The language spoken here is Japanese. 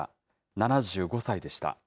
７５歳でした。